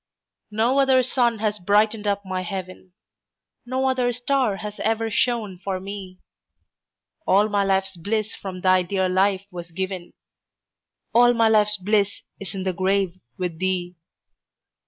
No other sun has brightened up my heaven, No other star has ever shone for me; All my life's bliss from thy dear life was given, All my life's bliss is in the grave with thee.